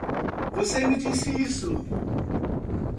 Você me disse isso.